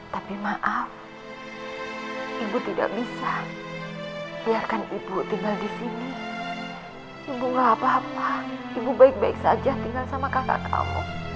tapi maaf ibu tidak bisa biarkan ibu tinggal di sini ibu gak apa apa ibu baik baik saja tinggal sama kakak kamu